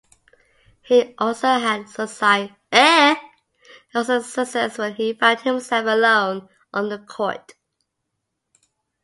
He also had success when he found himself alone on the court.